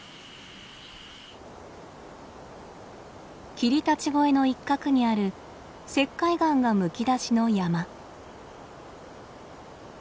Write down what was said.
霧立越の一角にある石灰岩がむき出しの山。